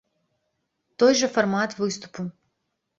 Той жа фармат выступу.